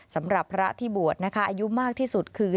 สำหรับพระที่บวชนะคะอายุมากที่สุดคือ